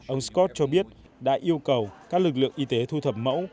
ông scott cho biết đã yêu cầu các lực lượng y tế thu thập mẫu